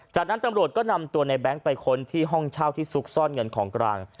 จากนั้นตำรวจก็นำตัวในแบงค์ไปค้นที่ห้องเช่าที่ซุกซ่อนเงินของกลาง